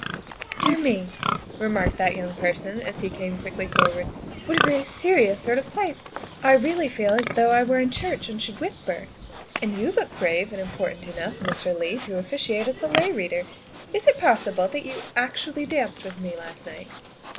" Dear me," remarked that young person as he came quickly forward, " what a very serious sort of a place. I really feel as though I were in church and should whisper. And you look grave and important enough, Mr. Leigh, to officiate as the lay reader. Is it possible that you actually danced with me last night?"